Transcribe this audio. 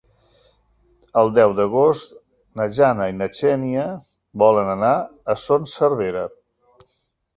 El deu d'agost na Jana i na Xènia volen anar a Son Servera.